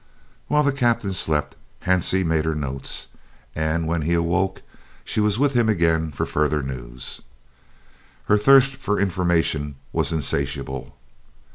While the Captain slept Hansie made her notes, and when he woke she was with him again for further news. Her thirst for information was insatiable.